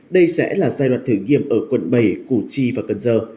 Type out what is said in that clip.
đây sẽ là giai đoạn thử nghiệm ở quận bảy củ chi và cần giờ